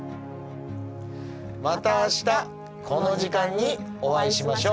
また明日この時間にお会いしましょう。